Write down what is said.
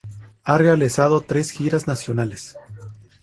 Ha realizado tres giras nacionales.